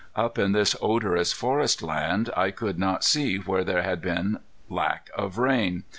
Up in this odorous forestland I could not see where there had been lack of rain.